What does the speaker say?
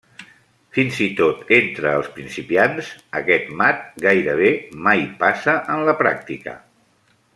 Fins i tot entre els principiants, aquest mat gairebé mai passa en la pràctica.